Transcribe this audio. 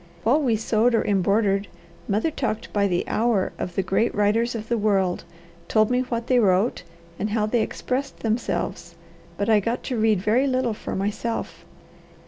While we sewed or embroidered, mother talked by the hour of the great writers of the world, told me what they wrote, and how they expressed themselves, but I got to read very little for myself."